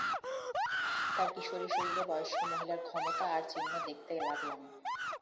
তার কিশোরী শরীরে বয়স্ক মহিলার ক্ষমতা আর চিহ্ন দেখতে লাগলাম।